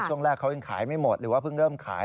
ช่วงแรกเขายังขายไม่หมดหรือว่าเพิ่งเริ่มขาย